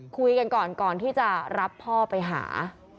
คุยกันก่อนก่อนที่จะรับพ่อไปหา